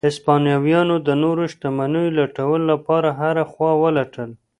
هسپانویانو د نورو شتمنیو لټولو لپاره هره خوا ولټل.